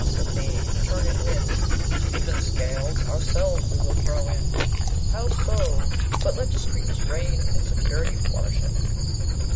said they, 'return and win! To even scales ourselves we will throw in!'' How so? But let discreetness reign and security flourisheth!'